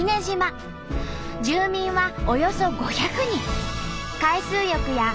住民はおよそ５００人。